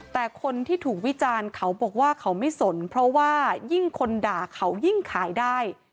แต่คนที่ถูกวิจารณ์เขาบอกว่าเขาไม่สนเพราะว่ายิ่งคนด่าเขายิ่งขายได้